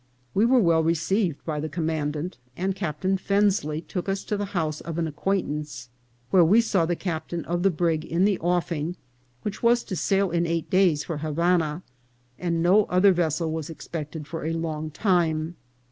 We were well received by the commandant ; and Captain Fensley took us to the house of an ac quaintance, where we saw the captain of the brig in the offing, which was to sail in eight days for Havana, and no other vessel was expected for a long time.